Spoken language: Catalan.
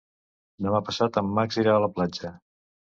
Demà passat en Max irà a la platja.